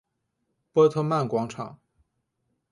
波特曼广场。